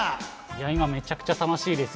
今めちゃくちゃ楽しいです。